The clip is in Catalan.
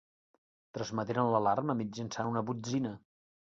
Transmeteren l'alarma mitjançant una botzina.